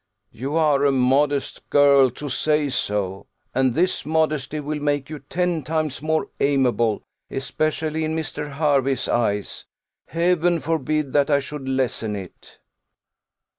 "You are a modest girl to say so; and this modesty will make you ten times more amiable, especially in Mr. Hervey's eyes. Heaven forbid that I should lessen it!"